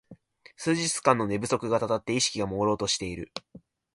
数日間の寝不足がたたって意識がもうろうとしている